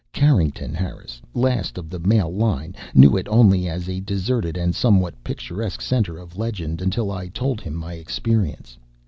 Carrington Harris, last of the male line, knew it only as a deserted and somewhat picturesque center of legend until I told him my experience.